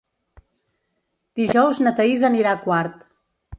Dijous na Thaís anirà a Quart.